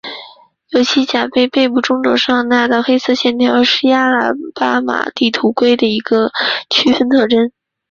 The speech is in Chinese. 尤其其盔甲背部中轴上的那道黑色线条是亚拉巴马地图龟的一个区分特征。